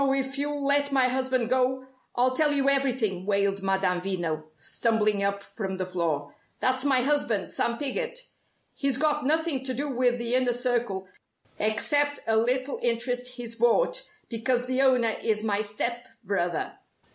if you'll let my husband go, I'll tell you everything!" wailed Madame Veno; stumbling up from the floor. "That's my husband, Sam Piggott. He's got nothing to do with the Inner Circle, except a little interest he's bought, because the owner is my step brother.